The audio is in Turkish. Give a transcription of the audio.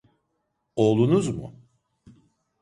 Oğlunuz mu?